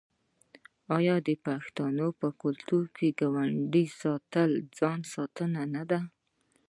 آیا د پښتنو په کلتور کې د ګاونډي ساتنه د ځان ساتنه نه ده؟